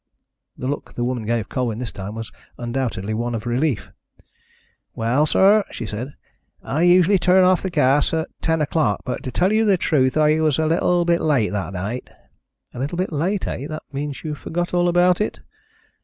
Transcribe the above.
The look the woman gave Colwyn this time was undoubtedly one of relief. "Well, sir," she said, "I usually turn off the gas at ten o'clock, but, to tell you the truth, I was a little bit late that night." "A little bit late, eh? That means you forgot all about it."